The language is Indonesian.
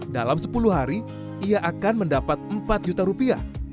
dalam sepuluh hari ia akan mendapat empat juta rupiah